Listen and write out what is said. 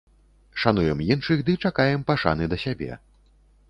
Шануем іншых ды чакаем пашаны да сябе.